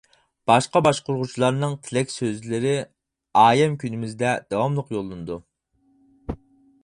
باشقا باشقۇرغۇچىلارنىڭ تىلەك سۆزلىرى ئايەم كۈنىمىزدە داۋاملىق يوللىنىدۇ.